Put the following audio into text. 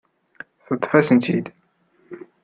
Ṭṭfet-asent-ten-id.